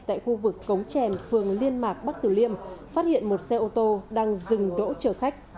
tại khu vực cống trèn phường liên mạc bắc tử liêm phát hiện một xe ô tô đang dừng đỗ chở khách